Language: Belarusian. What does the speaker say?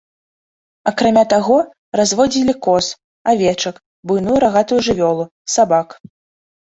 Акрамя таго, разводзілі коз, авечак, буйную рагатую жывёлу, сабак.